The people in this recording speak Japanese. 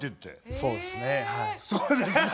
「そうですね」。